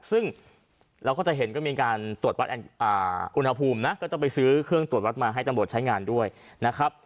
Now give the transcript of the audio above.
ซึ่งเราก็จะเห็นก็มีการตรวจวัดอุณหภูมินะก็ต้องไปซื้อเครื่องตรวจวัดมาให้ตำรวจใช้งานด้วยนะครับ